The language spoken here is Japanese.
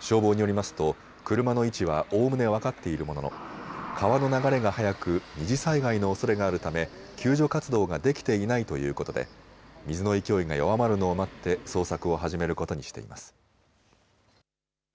消防によりますと車の位置はおおむね分かっているものの川の流れが速く二次災害のおそれがあるため救助活動ができていないということで水の勢いが弱まるのを待って捜索を始めることにしています。